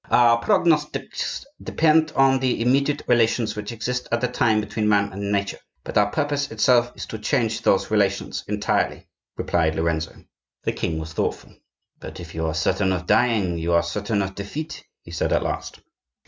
"Our prognostics depend on the immediate relations which exist at the time between man and Nature; but our purpose itself is to change those relations entirely," replied Lorenzo. The king was thoughtful. "But, if you are certain of dying you are certain of defeat," he said, at last.